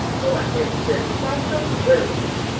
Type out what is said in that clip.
What is this talk of wills!